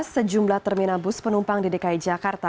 sejumlah terminal bus penumpang di dki jakarta